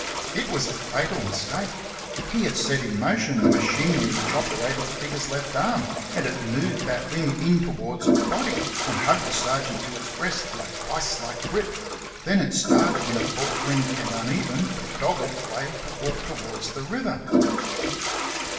It was a fatal mistake. He had set in motion the machinery which operated the figure's left arm, and it moved that limb in towards its body, and hugged the sergeant to its breast, with a vice like grip. Then it started in a falter ing and uneven, but dogged, way to walk towards the river.